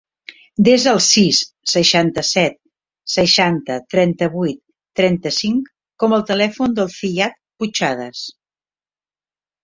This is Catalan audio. Desa el sis, seixanta-set, seixanta, trenta-vuit, trenta-cinc com a telèfon del Ziyad Puchades.